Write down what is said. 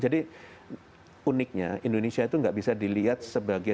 jadi uniknya indonesia itu tidak bisa dilihat sebagai